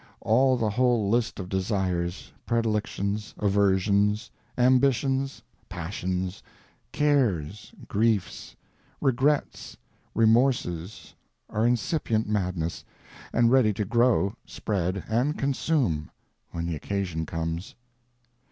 All the whole list of desires, predilections, aversions, ambitions, passions, cares, griefs, regrets, remorses, are incipient madness, and ready to grow, spread, and consume, when the occasion comes.